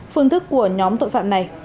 phương thức của nhóm tội phạm này